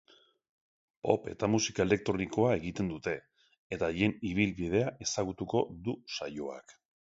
Pop eta musika elektronikoa egiten dute, eta haien ibilbidea ezagutuko du saioak.